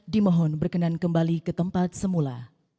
dimohon berkenan kembali ke tempat semula